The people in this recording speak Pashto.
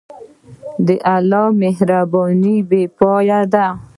د الله مهرباني بېپایه ده.